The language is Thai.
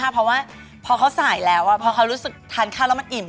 เพราะว่าพอเขาสายแล้วพอเขารู้สึกทานข้าวแล้วมันอิ่ม